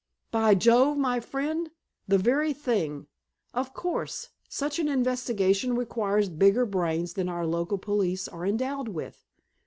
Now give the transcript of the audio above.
"By Jove, my friend, the very thing! Of course, such an investigation requires bigger brains than our local police are endowed with.